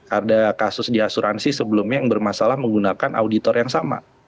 ada kasus di asuransi sebelumnya yang bermasalah menggunakan auditor yang sama